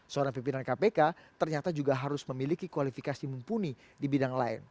seorang pimpinan kpk ternyata juga harus memiliki kualifikasi mumpuni di bidang lain